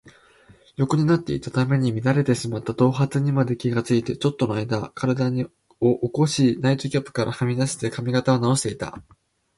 横になっていたために乱れてしまった頭髪にまで気がついて、ちょっとのあいだ身体を起こし、ナイトキャップからはみ出た髪形をなおしていた。